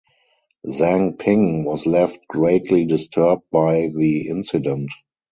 Zhang Ping was left greatly disturbed by the incident.